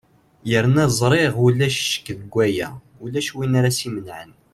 yernu ẓriɣ ulac ccek deg waya ulac win ara s-imenɛen